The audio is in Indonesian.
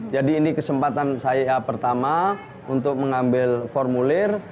jadi ini kesempatan saya pertama untuk mengambil formulir